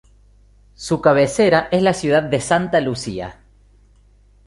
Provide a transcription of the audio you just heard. Su cabecera es la ciudad de Santa Lucía.